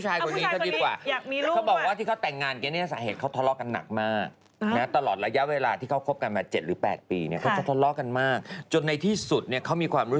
ให้แค่๕๐๐เองลงข่าวอย่างนี้เออมันกระจอกมาก๕๐๐